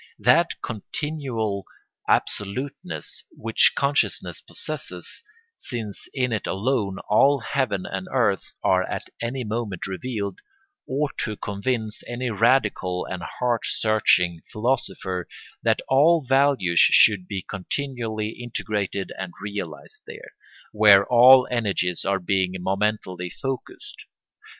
That continual absoluteness which consciousness possesses, since in it alone all heaven and earth are at any moment revealed, ought to convince any radical and heart searching philosopher that all values should be continually integrated and realised there, where all energies are being momently focussed.